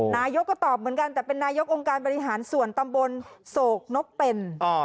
นายกก็ตอบเหมือนกันแต่เป็นนายกองค์การบริหารส่วนตำบลโศกนกเป็น